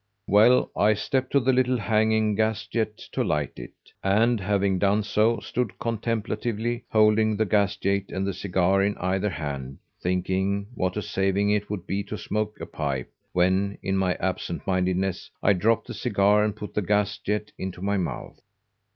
"Well, I stepped to the little hanging gas jet to light it, and, having done so, stood contemplatively holding the gas jet and the cigar in either hand, thinking what a saving it would be to smoke a pipe, when, in my absent mindedness, I dropped the cigar and put the gas jet into my mouth.